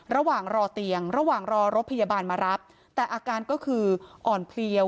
ระหว่างรอเตียงระหว่างรอรถพยาบาลมารับแต่อาการก็คืออ่อนเพลียว